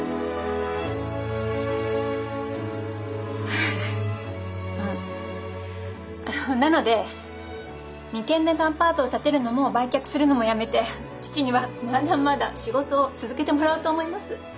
フフあなので２軒目のアパートを建てるのも売却するのもやめて父にはまだまだ仕事を続けてもらおうと思います。